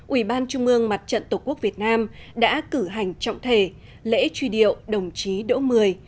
ủy ban trung ương mặt trận tổ quốc việt nam đã cử hành trọng thể lễ truy điệu đồng chí đỗ mười